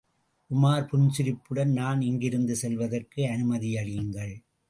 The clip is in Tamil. உமார் புன்சிரிப்புடன், நான் இங்கிருந்து செல்வதற்கு அனுமதியுங்கள்.